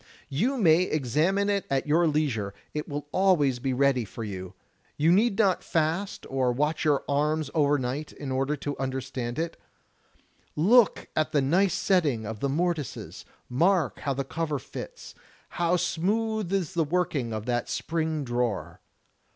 You may examine it at your leisure, it will be always ready for you; you need not fast or watch your arms overnight in order to understand it. THE LITERATURE OF MYSTERY 1 5 Look at the nice setting of the mortises; mark how the cover fits; how smooth is the working of that spring drawer.